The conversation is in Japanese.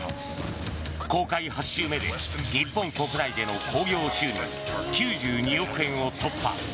公開８週目で日本国内での興行収入９２億円を突破。